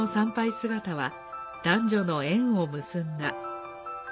姿は男女の縁を結んだ。